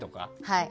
はい。